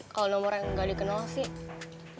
kalau nomor yang gak dikenal sih